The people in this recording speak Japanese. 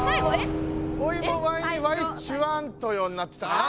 「おいもわいにわいっちゅわんとよ」になってたな。